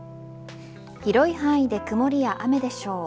広い範囲で曇りや雨でしょう。